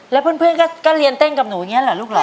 แล้วเพื่อนก็เรียนเต้นกับหนูอย่างนี้เหรอลูกเหรอ